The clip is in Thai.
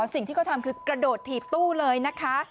สิ่งที่เขาทำคือกระโดดถีบตู้เลยนะคะ